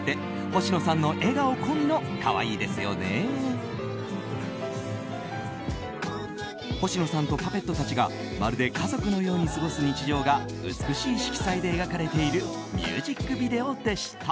星野さんとパペットたちがまるで家族のように過ごす日常が美しい色彩で描かれているミュージックビデオでした。